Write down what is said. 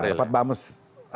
rapat bamus sudah